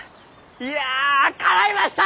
いやかないました！